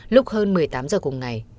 lúc hơn một mươi tám giờ cùng ngày